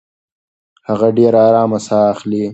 هغه ډېره ارامه ساه اخلي.